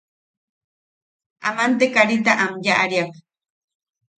Aman te karita am yaʼariak.